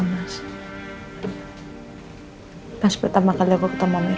mas betah makalih aku ketemu amir